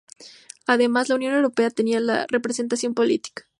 Además, la Unión Europea tenía la representación política.